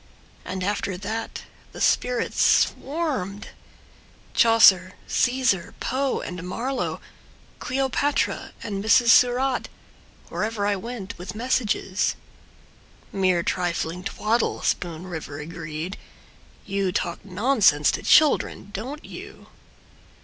And after that the spirits swarmed— Chaucer, Caesar, Poe and Marlowe, Cleopatra and Mrs. Surratt— Wherever I went, with messages,— Mere trifling twaddle, Spoon River agreed. You talk nonsense to children, don't you?